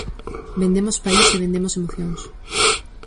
Vendemos país e vendemos emocións.